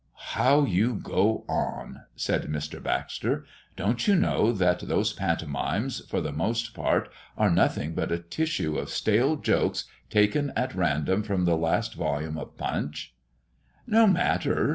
"How you go on!" said Mr. Baxter. "Don't you know that those pantomimes, for the most part, are nothing but a tissue of stale jokes taken at random from the last volume of Punch?" "No matter!